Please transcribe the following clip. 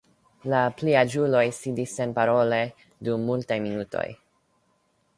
La pliaĝuloj sidis senparole dum multaj minutoj.